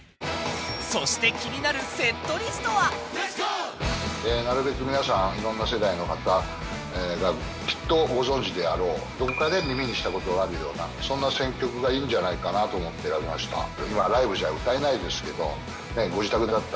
そして気になるセットリストはなるべく皆さん、いろんな世代の方がきっとご存じであろう、どこかで耳にしたことがあるような、そんな選曲がいいんじゃないかと思って選びました。